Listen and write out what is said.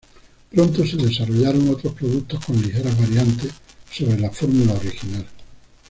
Pronto se desarrollaron otros productos con ligeras variantes sobre la fórmula original.